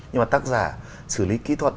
nhưng mà tác giả xử lý kỹ thuật